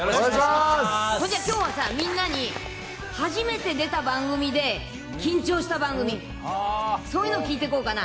それじゃ、きょうはさ、みんなに初めて出た番組で緊張した番組、そういうの聞いていこうかな。